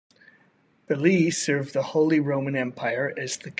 Belli served the Holy Roman Empire as the commander of Imperial forces in Piedmont.